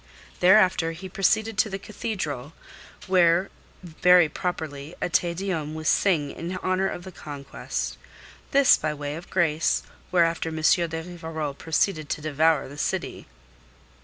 Thereafter he proceeded to the Cathedral, where very properly a Te Deum was sung in honour of the conquest. This by way of grace, whereafter M. de Rivarol proceeded to devour the city.